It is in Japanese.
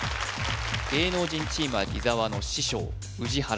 芸能人チームは伊沢の師匠宇治原